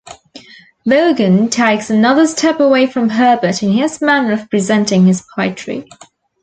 Vaughan takes another step away from Herbert in his manner of presenting his poetry.